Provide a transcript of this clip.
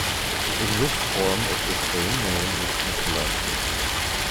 The English form of the same name is Nicholas.